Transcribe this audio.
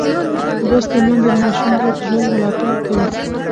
لوستې میندې د ماشوم روغ ژوند ملاتړ کوي.